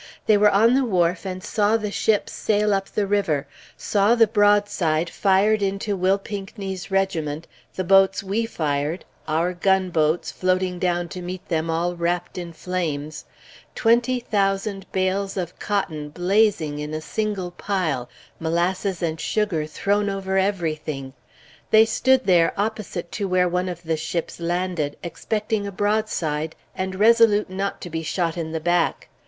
They were on the wharf, and saw the ships sail up the river, saw the broadside fired into Will Pinckney's regiment, the boats we fired, our gunboats, floating down to meet them all wrapped in flames; twenty thousand bales of cotton blazing in a single pile; molasses and sugar thrown over everything. They stood there opposite to where one of the ships landed, expecting a broadside, and resolute not to be shot in the back.